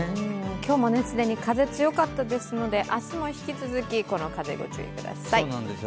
今日も既に風が強かったですので明日も引き続きこの風、ご注意ください。